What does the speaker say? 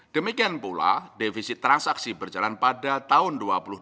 demikian pula defisit transaksi berjalan pada tahun dua ribu dua puluh